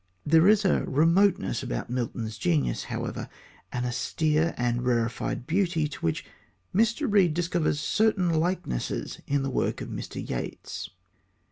There is a remoteness about Milton's genius, however, an austere and rarefied beauty, to which Mr. Reid discovers certain likenesses in the work of Mr. Yeats.